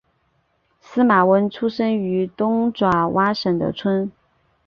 司马温出生于东爪哇省的村。